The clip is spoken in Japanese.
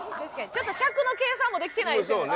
ちょっと尺の計算もできてないですよね。